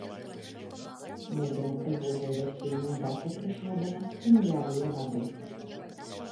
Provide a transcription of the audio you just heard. Мода на прыгожыя вясельныя даты прыйшла да нас у нулявыя гады.